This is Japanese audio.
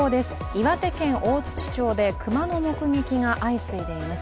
岩手県大槌町で熊の目撃が相次いでいます。